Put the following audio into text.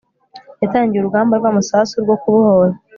yatangiye urugamba rw'amasasu rwo kubohora